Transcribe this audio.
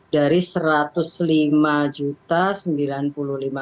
dari rp satu ratus lima sembilan puluh lima